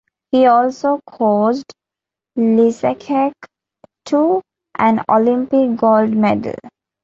He also coached Lysacek to an Olympic gold medal.